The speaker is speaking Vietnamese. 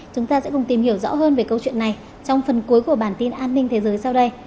chúng ta sẽ cùng tìm hiểu rõ hơn về câu chuyện này trong phần cuối của bản tin an ninh thế giới sau đây